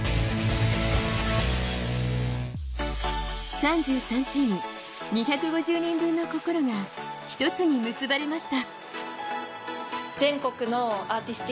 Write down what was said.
３３チーム２５０人分の心が一つに結ばれました。